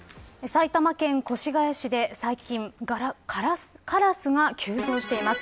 埼玉県越谷市で、最近カラスが急増しています。